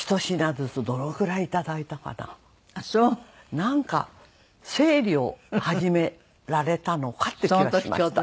なんか整理を始められたのかっていう気はしました。